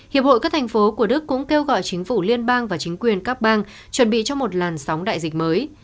hiệp hội các thành phố của đức cũng kêu gọi chính phủ liên bang và chính quyền các bang chuẩn bị cho một làn sóng đại dịch mới